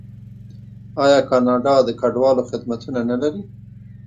آیا کاناډا د کډوالو خدمتونه نلري؟